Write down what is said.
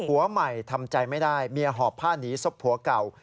ผัวใหม่ทำใจไม่ได้เมียหอบผ้าหนีศพผัวเก่า